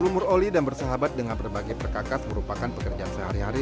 rumur oli dan bersahabat dengan berbagai perkakas merupakan pekerjaan sehari hari